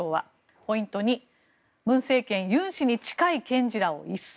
ポイント２、文政権ユン氏に近い検事らを一掃。